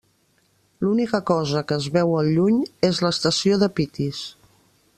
L'única cosa que es veu al lluny és l'estació de Pitis.